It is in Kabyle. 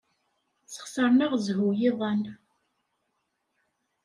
Sxesṛen-aɣ zzhu yiḍan.